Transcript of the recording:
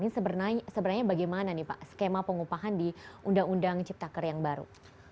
ini sebenarnya bagaimana nih pak skema pengupahan di undang undang ciptaker yang baru